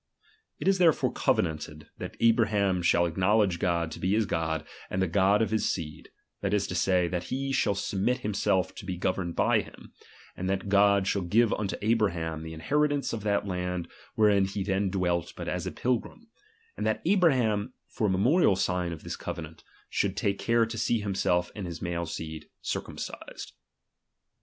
It is therefore covenanted, that Abraham shall acknowledge God to be his God and the God of his seed, that is to say, that he shall submit himself to be governed by him ; and that God shall give unto Abraham the inheri tance of that land ivherein he then dwelt but as a pilgrim; and that Abraham, for a memorial sign of this covenant, should take care to see himself and his male seed circumcised.